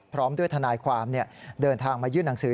พร้อมด้วยทนายความเดินทางมายื่นหนังสือ